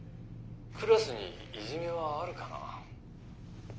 クラスにいじめはあるかな？